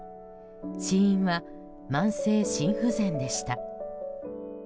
死因は慢性心不全でした。